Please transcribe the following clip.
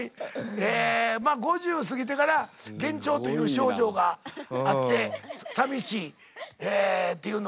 えまっ５０過ぎてから幻聴という症状があってさみしいっていうのがあって。